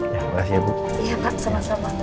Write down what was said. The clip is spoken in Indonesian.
ya makasih ya bu iya pak sama sama